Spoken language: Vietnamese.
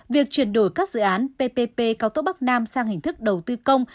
việc chuyển đổi các dự án ppp cao tốc bắc nam sang hình thức đầu tư công